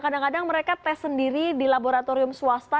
kadang kadang mereka tes sendiri di laboratorium swasta